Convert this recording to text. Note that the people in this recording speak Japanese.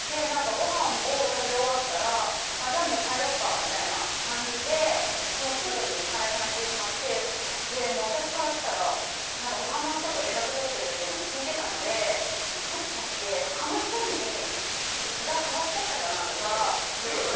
ごはんを食べ終わったら「じゃあ帰ろっか」みたいな感じですぐに解散してしまって私からしたらほかの人と連絡取ってるっていうのも聞いてたのでもしかしてほかの人に気が変わっちゃったかなとかてか何？